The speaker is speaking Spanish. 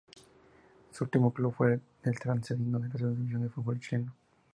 Su último club fue Trasandino de la Segunda División del fútbol chileno.